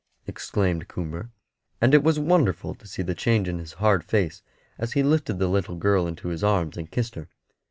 exclaimed Coomber. And it was wonderful to see the change in his hard face as he lifted the little girl in his arms and kissed her.